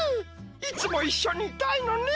いつもいっしょにいたいのね。